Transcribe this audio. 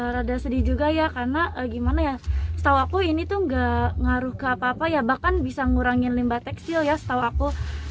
rada sedih juga ya karena gimana ya setahu aku ini tuh gak ngaruh ke apa apa ya bahkan bisa ngurangin limbah tekstil ya setahu aku